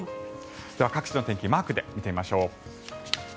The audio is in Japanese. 各地の天気マークで見ていきましょう。